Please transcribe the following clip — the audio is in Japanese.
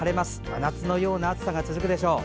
真夏のような暑さが続くでしょう。